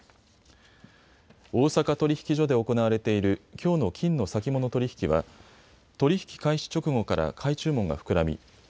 大阪取引所で行われているきょうの金の先物取引は取り引き開始直後から買い注文が膨らみ